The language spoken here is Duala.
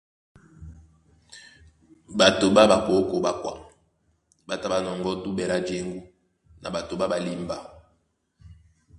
Ɓato ɓá ɓakókō ɓá kwaŋ ɓá tá ɓá nɔŋgɔ́ duɓɛ lá jěŋgú na ɓato ɓá ɓalimba.